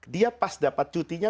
dia pas dapat cutinya